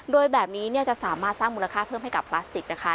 โดยแบบนี้จะสามารถสร้างมูลค่าเพิ่มให้กับพลาสติกนะคะ